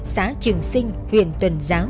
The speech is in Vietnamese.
xã trường sinh huyện tuần giáo